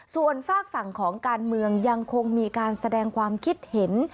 ส่วนฝากฝั่งของการเมืองยังคงมีการแสดงความคิดเห็น